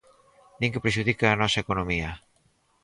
Din que prexudica a nosa economía.